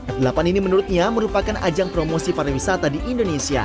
f delapan ini menurutnya merupakan ajang promosi para wisata di indonesia